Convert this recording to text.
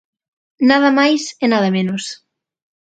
Nada máis e nada menos.